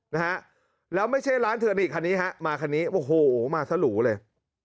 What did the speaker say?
นะฮะแล้วไม่ใช่ร้านเธอนี่คันนี้ฮะมาคันนี้โอ้โหมาซะหรูเลย